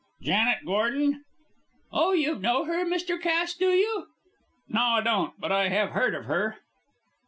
"Janet Gordon?" "Oh, you know her, Mr. Cass, do you?" "No, I don't, but I have heard of her."